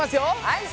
はい。